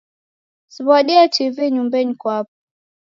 Siw'adie TV nyumbenyi mkwapo.